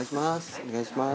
お願いします